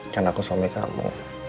kan aku suami kamu